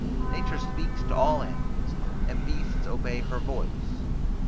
Nature speaks to all animals, and beasts obey her voice.